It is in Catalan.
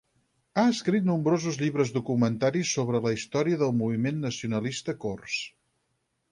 Ha escrit nombrosos llibres documentaris sobre la història del moviment nacionalista cors.